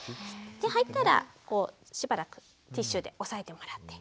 入ったらしばらくティッシュで押さえてもらって。